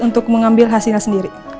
untuk mengambil hasilnya sendiri